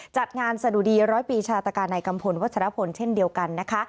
จัดงานสะดุดีร้อยปีชาตกาในกัมพลวัชรพลเช่นเดียวกันนะคะ